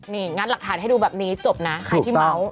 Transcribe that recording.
นี่งัดหลักฐานให้ดูแบบนี้จบนะใครที่เมาส์